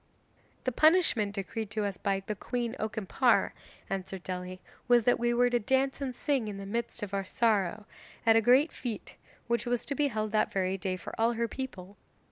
'The punishment decreed to us by the Queen Okimpare,' answered Dely, 'was that we were to dance and sing in the midst of our sorrow, at a great fete which was to be held that very day for all her people.